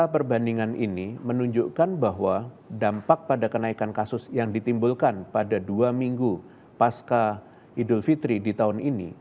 perbandingan ini menunjukkan bahwa dampak pada kenaikan kasus yang ditimbulkan pada dua minggu pasca idul fitri di tahun ini